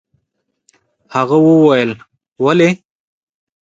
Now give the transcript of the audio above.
هغه وويل: ولې؟